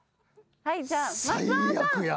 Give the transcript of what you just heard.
はいじゃあ松尾さん